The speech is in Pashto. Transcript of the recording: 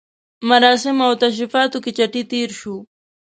مراسمو او تشریفاتو کې چټي تېر شو.